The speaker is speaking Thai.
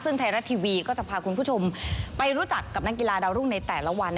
ซึ่งไทยรัฐทีวีก็จะพาคุณผู้ชมไปรู้จักกับนักกีฬาดาวรุ่งในแต่ละวัน